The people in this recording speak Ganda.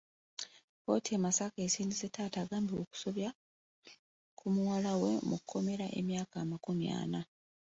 Kkooti e Masaka esindise taata agambibwa okusobya ku muwala we mu kkomera emyaka amakumi ana.